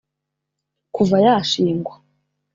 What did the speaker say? Kuva yashingwa